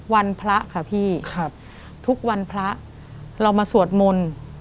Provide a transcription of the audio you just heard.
วันพระค่ะพี่ทุกวันพระเรามาสวดมนต์